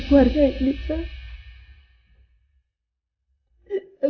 untuk pergi ke lodi gua gua mana